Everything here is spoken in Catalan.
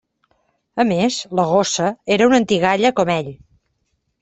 A més, la gossa era una antigalla com ell.